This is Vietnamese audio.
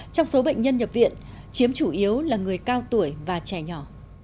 trong số bệnh nhân nhập viện chiếm chủ yếu là người cao tuổi và trẻ nhỏ